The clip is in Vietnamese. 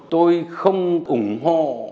tôi không ủng hộ